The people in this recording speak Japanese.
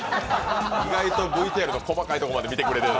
意外とＶＴＲの細かいところまで見てくれてる。